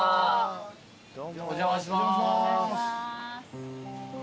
お邪魔します。